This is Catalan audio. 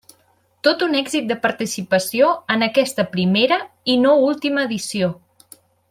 Tot un èxit de participació, en aquesta primera i no última edició.